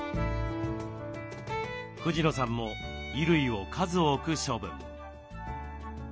藤野さんも衣類を数多く処分。